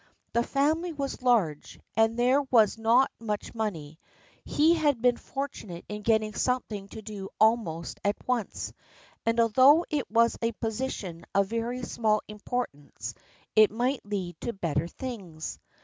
The family was large, and there was not much money. He had been fortunate in getting something to do almost at once, and although it was a position of very small importance it might lead to better things.